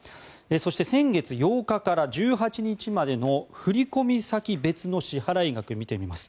そして先月８日から１８日までの振り込み先別の支払額を見てみます。